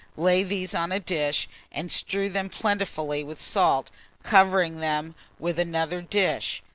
Lay these on a dish, and strew them plentifully with salt, covering them with another dish.